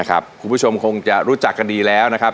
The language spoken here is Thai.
คุณผู้ชมคงจะรู้จักกันดีแล้วนะครับ